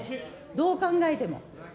どう考えても。